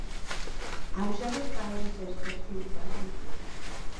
ამჟამად კაიროს ერთ-ერთი უბანი.